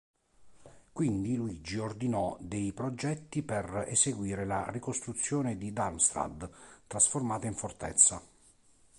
Quindi, Luigi ordinò dei progetti per eseguire la ricostruzione di Darmstadt trasformata in fortezza.